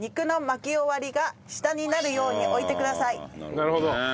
なるほど。